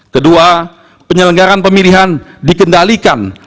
kedua penyelenggaran pemilihan dikendalikan